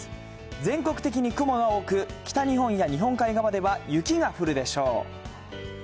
全国的に雲が多く、北日本や日本海側では雪が降るでしょう。